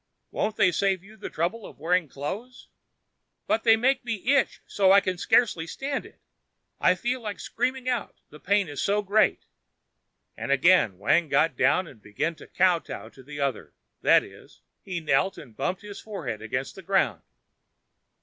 Won't they save you the trouble of wearing clothing?" "But they make me itch so I can scarcely stand it! I feel like screaming out, the pain is so great," and again Wang got down and began to kowtow to the other; that is, he knelt and bumped his forehead against the ground.